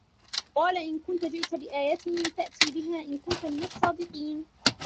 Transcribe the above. قال إن كنت جئت بآية فأت بها إن كنت من الصادقين